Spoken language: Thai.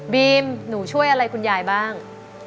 หนูช่วยอะไรคุณยายบ้าง